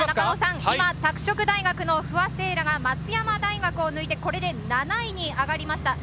拓殖大学の不破聖衣来が松山大学を抜いて７位に上がりました。